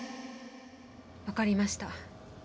分かりました。